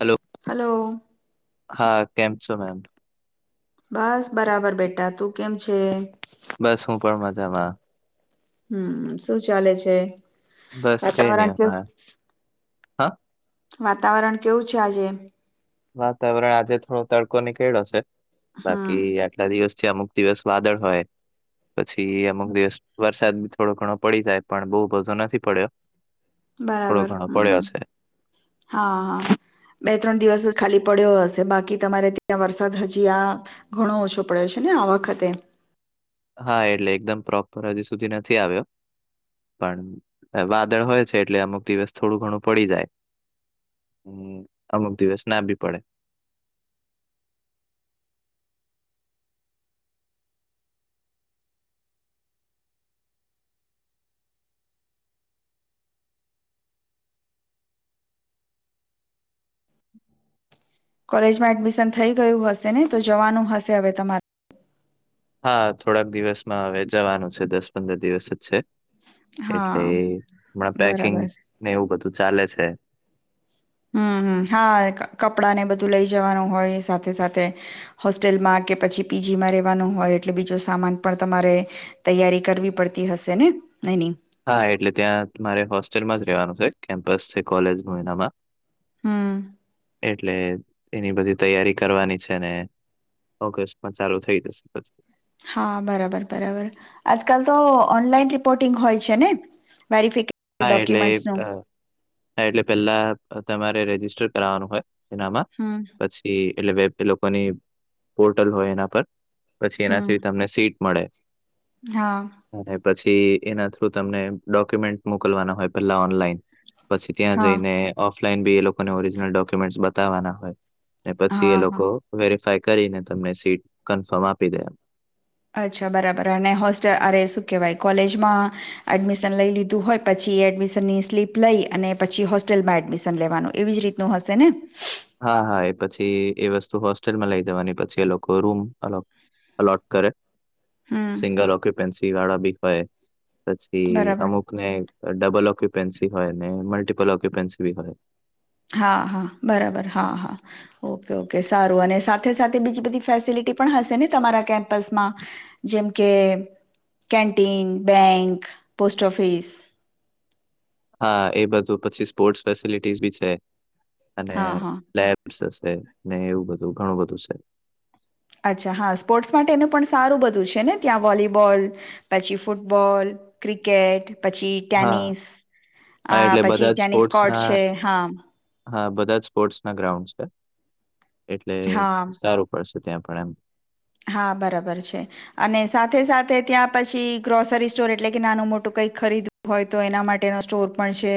Hello hello. હા કેમ છો મેમ. બસ બરાબર બેટા તું કેમ છે? બસ હું પણ મજામાં. હમ શું ચાલે છે. બસ કઈ નહી વાતાવરણ કે હમણા. વાતાવરણ કેવું છે આજે. વાતાવરણ આજે થોડો તડકો નીકળળ્યો છે હમ બાકી આટ કેટલા દિવસથી અમુક દિવસ વાદળ હોય પછી અમુક દિવસ વરસાદ. થોડો ઘણો પડી જાય પણ બહુ બધો નથી પડ્યો થોડો બરાબર ઘણો પડ્યો હમ છે. હા હા. બે ત્રણ દિવસ જ ખાલી પડ્યો હશે બાકી તમારે ત્યાં વરસાદ હજી આ ઘણો ઓછો પડ્યો છે ને આ વખતે. હા એટલે એકદમ પ્રોપર હજી સુધી નથી આવ્યો. પણ વાદળ હોય છે એટલે અમુક દિવસ થોડું ઘણું પડી જાય. હમ અમુક દિવસ ના બી પડે. કોલેજમાં એડમિશન થઈ ગયું હશે ને તો જવાનું હશે હવે તમારે. હા થોડાક દિવસમાં જવાનું છે દસ પંદર દિવસ જ છે. હા એટલે હમણાં બરાબર છે પેકિંગને એવું બધું ચાલે છે. હમ હમ હા કપડા ને બધું લઇ જવાનું હોય સાથે સાથે સાથે. હોસ્ટેલમાં કે પછી પી. જી માં રેવાનું હોય એટલે બીજું સામાન પણ તમારે તૈયારી કરવી પડતી હશે ને નઈ તેની હા એટલે ત્યાં મારે હોસ્ટેલમાં જ રેવાનું છે કેમ્પસ છે કોલેજ ન એનામાં. હમ. એટલે એની બધી તૈયારી કરવાની છે ને. ઓગસ્ટમાં ચાલુ થઈ જશે પછી. હા બરાબર બરાબર આજકાલ તો ઓનલાઈન રિપોર્ટિંગ હોય છે ને? વેરીફીક હા એટલે અહ હા એટલે પેલા તમારે રજિસ્ટર કરાવનું હોય એનામાં. હા. પછી એટલે વેબ એલોકોની પોર્ટલ હોય એના પર પછી હમ એનાથી તમને સીટ મળે. હા. અને પછી એના થ્રુ તમને ડોક્યુમેન્ટ મોકલવાના હોય પેલા ઓનલાઈન. પછી ત્યાં હા જઈને ઓફલાઈન બી એલોકોને ઓરિજનલ ડોક્યુમેન્ટ બતાવાના હોય. ને પછી હા હા એલોકો વેરીફાય કરીને તમને સીટ કન્ફર્મ આપી દે. અચ્છા બરાબર અને હોસ્ટેલ અરે શું કહેવાય કોલેજમાં એડમિશન લઈ લીધું હોય પછી એડમિશનની સ્લીપ લઈ અને પછી હોસ્ટેલમાં એડમિશન લેવાનું એવી જ રીત નું હસેને. હા હા એ પછી એ વસ્તુ હોસ્ટેલમાં લઈ જવાની પછી એ લોકો રૂમ આનો અલોટ કરે. હમ સિંગલ ઓક્યુપેન્સી વાળા બી હોય પછી બરાબર અમુકને અહ ડબલ ઓક્યુપેન્સી હોય અને મલ્ટિપલ ઓક્યુપેન્સી બી હોય. હા હા બરાબર હા હા. ઓકે ઓકે સારું અને સાથે સાથે બીજી બધી ફેસિલિટી પણ હશે ને તમારા કેમ્પસમાં? જેમ કે કેન્ટીન બેંક પોસ્ટ ઓફિસ. હા એ બધું પછી સ્પોર્ટસ ફેસિલિટીસ બી છે અને હા હા લેબ સસે ને એવું બધું ઘણું બધું છે. અચ્છા હા સ્પોર્ટ્સ માટે એનું પણ સારું બધું છે ને, ત્યાં વોલીબોલ પછી ફૂટબોલ ક્રિકેટ પછી હા ટેનિસ હા અહ એટલે પછી બધા જ ટેનિસ કોર્ટ સ્પોર્ટ્સના છે, હા હા, બધા જ સ્પોર્ટ્સ ના ગ્રાઉન્ડ છે એટલે હા સારું. પડશે ત્યાં પણ એમ. હા, બરાબર છે. અને સાથે સાથે ત્યાં પછી ગ્રોસરી સ્ટોર એટલે કે નાનું મોટું કઈક ખરીદ હોય, તો એના માટેનો સ્ટોર પણ છે.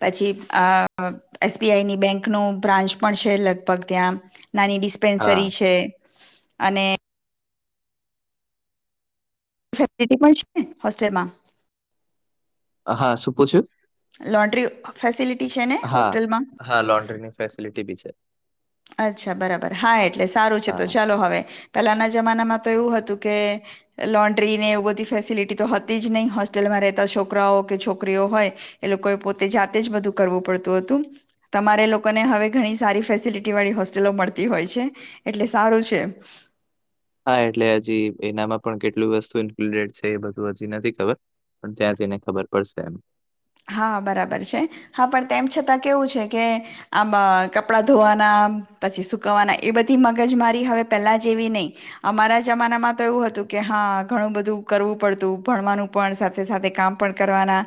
પછી અહ એસ બી આઈ ની બેંક નું બ્રાન્ચ પણ છે, લગભગ ત્યાં. નાની હા ડિસ્પેન્સરી છે અને ફેસિલિટી પણ છે, હોસ્ટેલમાં. હા, શુ પૂછયુ? લોન્ડ્રી ફેસિલિટી છે ને, હા હોસ્ટેલમાં? હા લોન્ડ્રી ની ફેસિલિટી બી છે. અચ્છા બરાબર હા એટલે સારું છે, હા તો ચાલો હવે પેલાના જમાનામાં તો એવું હતું, કે લોન્ડ્રી ને એવું બધી ફેસિલિટી તો હતી જ નહી, હોસ્ટેલમાં રહેતા છોકરાઓ કે છોકરીઓ હોય એ લોકોએ પોતે જાતે જ બધું કરવું પડતું હતું, તમારે એ લોકોને હવે ઘણી સારી ફેસિલટ ળી હોસ્ટેલો મળતી હોય છે, એટલે સારું છે. હા એટલે હજી એનામાં પણ કેટલું ઇન્ક્લુડેડ છે, બધું હજી નથી ખબર ને ત્યાં જઈને પડશે એનું. હા, બરાબર છે. હા પણ તેમ છતાં કેવું છે કે આમ અહ કપડા ધોવાના પછી સુકવવાના એ બધી મગજ મારી હવે પેલા જેવી નહી. અમારા જમાનામાં તો એવું હતું કે. હા, ઘણું બધું કરવું પડતું ભણવાનું. પણ, સાથે સાથે કામ પણ કરવાના.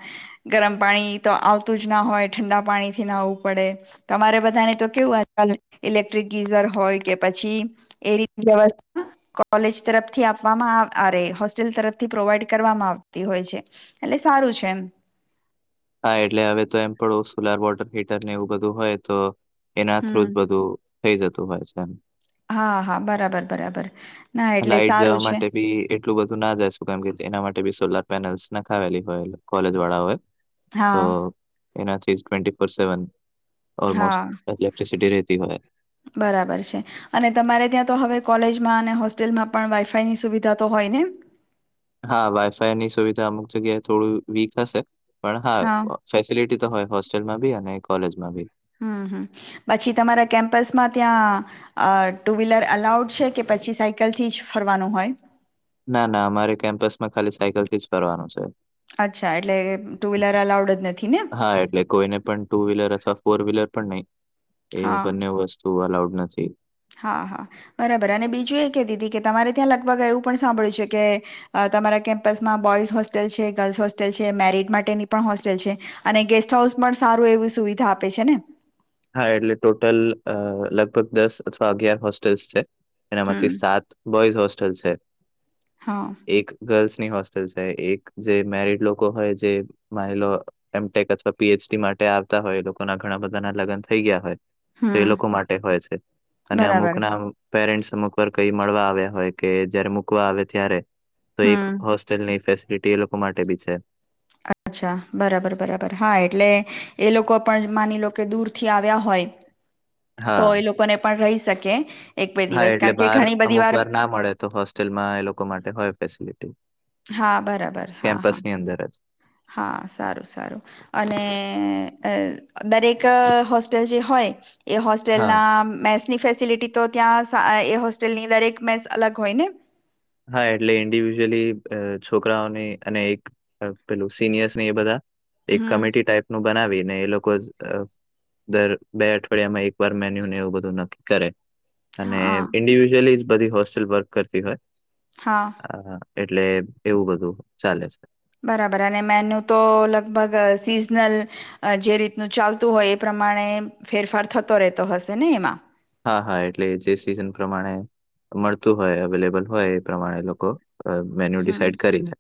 ગરમ પાણી તો આવતું જ ના હોય, ઠંડા પાણીથી ના આવવું પડે. તમારે બધાને તો કેવું ઇલેક્ટ્રિક ગીઝર હોય કે, પછી એ રી વ્યવસ્થા કોલેજ તરફથી આપવામાં અરે હોસ્ટેલ તરફથી પ્રોવાઈડ કરવામાં આવતી હોય છે. એટલે સારું છે, એમ. હા, એટલે હવે તો એમ પણડું સોલર વોટર હીટર ને એવું બધું હોય, તો એના થ્રુ હમ જ બધું થઇ જતું હોય છે, એમ. હા, હા, બરાબર બરાબર ના એટલે લાઈટ જવા સારું છે. માટે બી એટલું બધું ના જાયું કેમ કે, એના માટે બી સોલાર પેનલ્સ નખાવેલી હોય, કોલેજ વાળાઓ તો હા એનાથી ટેન ટ્વેન્ટી ફોર સેવન હા ઓલમોસ્ટ કંઝમસીટી રહેતી હોય. બરાબર છે. અને તમારે ત્યાં તો હવે કોલેજમાં અને હોસ્ટેલમાં પણ વાઈફાઈ ની સુવિધા તો હોય ને? હા, વાઈફાઈની સુવિધા અમુક જગ્યાએ થોડું વીક હશે પણ, હા ફેસિલિટી તો હોય, હોસ્ટેલમાં બી અને કોલેજમાં બી. હમ હમ પછી તમારા કેમ્પસમાં ત્યાં ટુ વ્હીલર છે કે, પછી સાયકલથી જ ફરવાનું હોય. ના ના અમારે કેમ્પસ માં ખાલી સાયકલ ફરવાનું છે. અચ્છા એટલે ટુ વ્હીલર અલાઉડ જ નથી ને હા એટલે કોઈને પણ ટુવ્લર અથવા ફોર વ્હીલર પણ નહી, એ હા બંને વસ્તુ અલાઉડ નથી. હા હા બરાબર અને બીજું એ કતી હતી કે, તમારે ત્યાં લગભગ એવું પણ સાંભળ્યું છે કે તમારા કેમ્પસમાં બોઈઝ હોસ્ટેલ છે, ગર્લ્સ હોસ્ટેલ છે, મેરિડ માટેની પણ હોસ્ટેલ છે. અને ગેસ્ટ હાઉસ પણ સારું એવી સુવિધા આપે છે ને? હા, એટલે ટોટલ લગભગ દસ અથવા અગિયાર હોસ્ટેલ્સ છે હમ એનામાંથી સાત બોયઝ હોસ્ટલ છે. હા એક ગર્લ્સની હોસ્ટેલ છે એક જે મેરીડ લોકો હોય જે માની લો એમટેક અથવા પીએચડી માટે આવતા હોય એ લોકોના ઘણા બધા ના લગ્ન થઈ ગયા હોય તો એ હમ લોકો માટે હોય છે અને બરાબર અમુક ના પેરેન્ટસ અમુક વાર કઈ મળવા આવ્યા હોય કે જયારે મૂકવા આવે ત્યારે તો એક હમ હોસ્ટેલની ફેસિલિટી એ લોકો માટે બી છે. અચ્છા બરાબર બરાબર હા એટલે એ પણ માની લો કે આવ્યા હોય તો હા, એ લોકોને પણ રહી શકે એક બે હા, દિવસ એટલે કારણ કે બહાર ઘણી બધી અમુક વાર ના મળે તો હોસ્ટેલમાં એ લોકો માટે હોય ફેસિલિટી. હા બરાબર હા હા. [unintelligible] હા સારું સારું અને દરેક હોસ્ટેલ જે હોય એ હા. હોસ્ટેલના મેસની ફેસિલિટી તો ત્યાં એ હોસ્ટેલની દરેક મેસ અલગ હોય ને? હા એટલે ઇન્ડિવિજુઅલી છોકરાઓની અને એક પેલું સિનિયર્સ ને એ બધા એક હમ કમિટી ટાઈપ નું બનાવી ને એ લોકો જ દર બે અઠવાડિયામાં એક વાર મેન્યુ ને એવું બધું નાખે. કરે અને હા ઇન્ડિવિજુઅલી જ બધી હોસ્ટેલ વર્ક કરતી હોય. હા હ એટલે એવું બધું ચાલે છે. બરાબર અને મેનુ તો લગભગ સીઝનલ જે રીતનું ચાલતું હોય એ પ્રમાણે ફેરફાર થતો રહેતો હશે ને એમાં? હા હા એટલે જે સિઝન પ્રમાણે મળતું હોય અવેલેબલ હોય એ પ્રમાણે લોકો મેન્યુ હમ ડિસાઈડ કરી લે.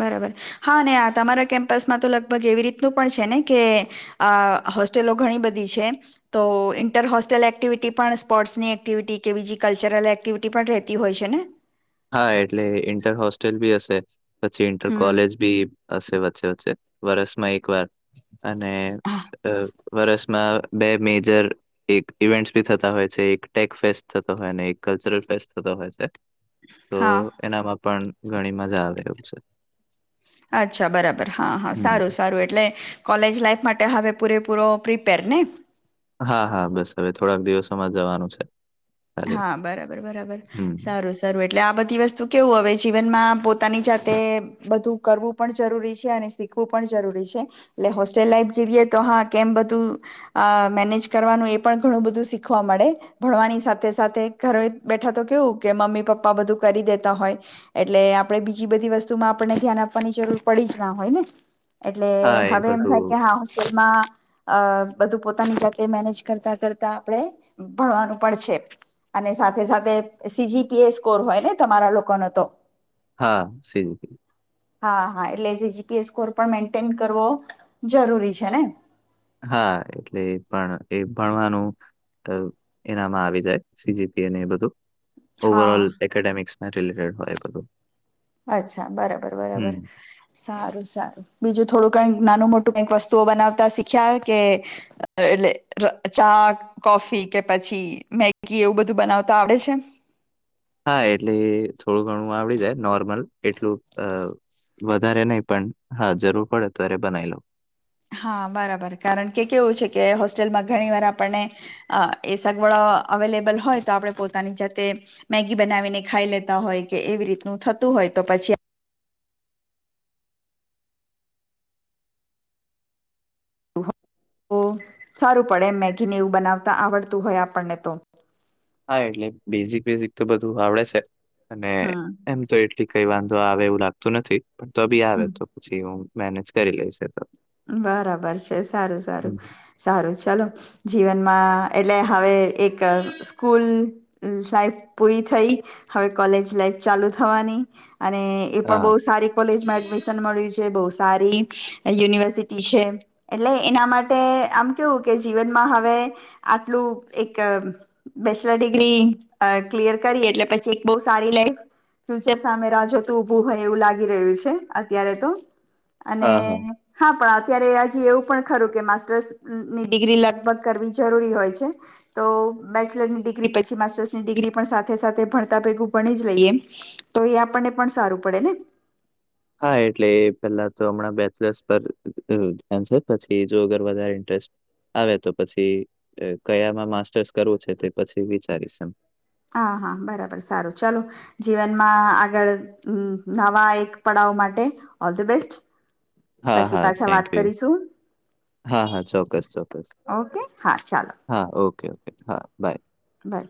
બરાબર હા અને આ તમારા કેમ્પસમાં તો લગભગ એવી રીતનું પણ છે ને કે અ હોસ્ટેલો ઘણી બધી છે. તો ઇન્ટર હોસ્ટલ એક્ટિવિટી પણ સ્પોર્ટ્સની એક્ટિવિટી કે બીજી કલ્ચરલ એક્ટિવિટી પણ રહેતી હોય છે ને? હા એટલે ઈન્ટર હોસ્ટેલ બી હશે પછી ઇન્ટર હમ કોલેજ બી હશે વચ્ચે વચ્ચે. વરષમાં એકવાર અને હા વરષમાં બે મેજર એક ઇવેન્ટસ બી થતા હોય છે એક ટેક ફેસ્ટ થતો હોય ને એક કલ્ચરલ ફેસ્ટ થતો હોય છે. તો હા એનામાં પણ ઘણી મજા આવે એવું છે. અચ્છા બરાબર હા હા સારું હમ સારું એટલે કોલેજ લાઈફ માટે હવે પૂરેપૂરો પ્રિપેર ને? હા હા બસ હવે થોડાક દિવસોમાં જવાનું છે. ખાલી હા બરાબર બરાબર હમ સારું [unintelligible] એટલે આ બધી વસ્તુ કેવું હવે જીવનમાં પોતાની જાતે બધું કરવું પણ જરૂરી છે અને શીખવું પણ જરૂરી છે. એટલે હોસ્ટેલ લાઈફ જીવીએ તો હા કેમ બધું અ મેનેજ કરવાનું એ પણ ઘણું બધું શીખવા મળે ભણવાની સાથે સાથે સાથે ઘરે બેઠા તો કેવું કે મમ્મી પપ્પા બધું કરી દેતા હોય. એટલે આપણે બીજી બધી વસ્તુ માં આપણને ધ્યાન આપવાની જરૂર પડી જ ના હોય ને. એટલે હા એ હવે એમ થાય બધું કે હા હોસ્ટેલમાં અ બધું પોતાની જાતે મેનેજ કરતા કરતા આપણેે ભણવાનું પણ છે. અને સાથે સાથે સીજીપીએ સ્કોર હોય ને તમારા લોકોનો તો? હા સીજીપીએ. હા હા એટલે સીજીપીએ સ્કોર પણ મેન્ટેન કરવો જરૂરી છે ને? હા એટલે પણ એ ભણવાનું એનામાં આવી જાય સીજીપીએ ને એ બધું. હા ઓવરઓલ એકેડેમિક્સના રિલેટેડ હોય બધું. અચ્છા બરાબર બરાબર. હમ સારું સારું બીજું થોડું-ઘણું કઈ નાનું મોટું કઈક વસ્તુઓ બનાવતા શીખ્યા હોય કે? એટલે એટલે અચાક કોફી કે પછી મેગી એવું બધું બનાવતા આવડે છે? હા એટલે થોડું ઘણું આવડી જાય નોર્મલ એટલું અ વધારે નઈ પણ હા જરૂર પડે ત્યારે બનાઈ લઉ. હા બરાબર કારણ કે કેવું છે કે હોસ્ટેલમાં ઘણી વાર આપણને અ એ સગવડો અવેલેબલ હોય તો આપણે પોતાની જાતે મેગી બનાવીને ખાઈ લેતા હોય કે એવી રીતનું થતું હોય તો પછી સારું પડે એમ મેગીને એવું બનાવતા આવડતું હોય આપનને તો. હા એટલે બેઝિક બેઝિક તો બધું આવડે છે અને હમ એમ તો એટલી કઈ વાંધો આવે એવું લાગતું નથી પણ તો બી આવે હમ તો પછી હું મેનેજ કરી લઈશ એતો. બરાબર છે સારું સારું સારું ચલો. જીવનમાં એટલે હવે એક સ્કૂલ લાાઈફ પૂરી થઈ હવે કોલેજ લાઈફ ચાલુ થવાની અને એ પણ હા, બહુ સારી કોલેજમાં એડમિશન મળ્યું છે બહુ સારી યુનિવર્સિ સીટી છે એટલે એના માટે આમ કેવું કે જીવનમાં હવે આટલું એક, બેચલર ડિગ્રી અ ક્લિયર કરી એટલે પછી બઉ સારી લાઈફ ફ્યુચર સામે રાહ જોતું ઉભું હોય એવું લાગી રહ્યું છે અત્યારે તો, અને હા, હા. હા પણ અત્યારે આજે એવું પણ ખરું કે માસ્ટર્સ ની ડિગ્રી લગભગ કરવી જરૂરી હોય છે. તો બેચલરની ડિગ્રી પછી માસ્ટર્સની ડિગ્રી પણ સાથે સાથે ભણતા ભેગું ભણી જ લઈએ. તો એ આપણને પણ સારું પડે ને હા એટલે એ પેલ્લાતો હમણાં બૅચલર્શ પર ધ્યાન છે પછી જો કરવા જાય ઇન્ટરેસ્ટ આવે તો પછી કયામાં માસ્ટર્સ કરવું છે તે પછી વિચારીશ એમ હા હા બરાબર સારું ચાલો, જીવનમાં આગળ નવા એક પડાવ માટે ઓલ ધ બેસ્ટ હા, પછી હા, પાછા વાત થેન્ક યુ. કરીશું. હા, હા, ચોક્કસ, ચોક્કસ. ઓકે હા ચાલો હા ઓકે ઓકે હા બાય બાય